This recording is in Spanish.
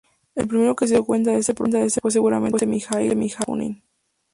El primero que se dió cuenta de ese proceso fue seguramente Mijaíl Bakunin.